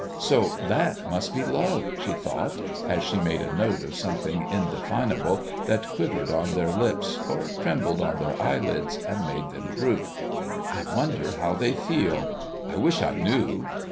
"So that must be love," she thought, as she made a note of something indefinable that quivered on their lips, or trembled on their eyelids and made them droop. "I wonder how they feel! I wish I knew!"